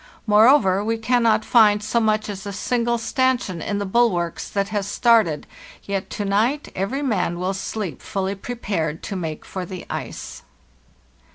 Moreover, we cannot find so much as a single stanchion in the bulwarks that has started, yet to night every man will sleep fully prepared to make for the' Ice.